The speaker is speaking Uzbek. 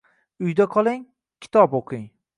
Uyda qoling, kitob oʻqing!